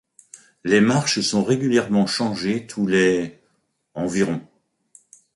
Les marches sont régulièrement changées tous les environ.